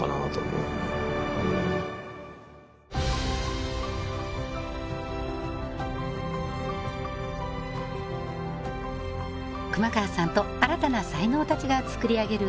うん熊川さんと新たな才能達が作り上げる